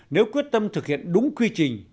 nếu quyết tâm thực hiện đúng quy trình